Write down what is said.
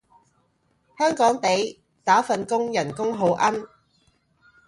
香港地，打份工人工好奀